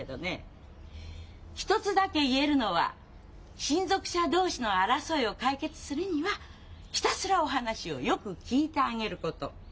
一つだけ言えるのは親族者同士の争いを解決するにはひたすらお話をよく聞いてあげること。